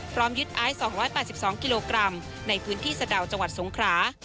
ยึดไอซ์๒๘๒กิโลกรัมในพื้นที่สะดาวจังหวัดสงครา